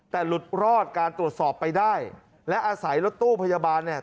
แต่หลุดรอดการตรวจสอบไปได้และอาศัยรถตู้พยาบาลเนี่ย